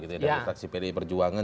dari fraksi pdi perjuangan